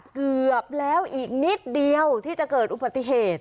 เกือบแล้วอีกนิดเดียวที่จะเกิดอุบัติเหตุ